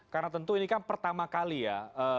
karena tentu ini kan pertama kali ya